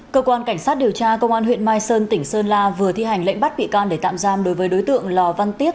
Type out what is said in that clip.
cơ quan cảnh sát điều tra công an huyện mai sơn tỉnh sơn la vừa thi hành lệnh bắt bị can để tạm giam đối với đối tượng lò văn tiết